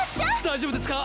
大丈夫ですか！？